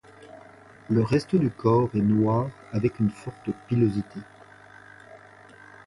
Le reste du corps est noir avec un forte pilosité.